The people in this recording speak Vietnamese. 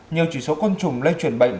nhiều chỉ số côn trùng lây truyền bệnh